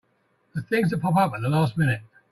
The things that pop up at the last minute!